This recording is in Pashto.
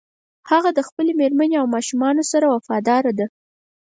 هغه د خپلې مېرمنې او ماشومانو سره وفاداره ده